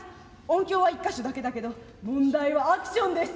音響は１か所だけだけど問題はアクションです。